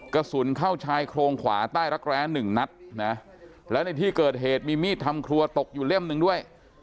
กระสุนเข้าชายโครงขวาใต้รักแร้หนึ่งนัดนะและในที่เกิดเหตุมีมีดทำครัวตกอยู่เล่มหนึ่งด้วย